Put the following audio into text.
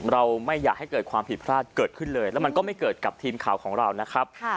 เราไม่อยากให้เกิดความผิดพลาดเกิดขึ้นเลยแล้วมันก็ไม่เกิดกับทีมข่าวของเรานะครับ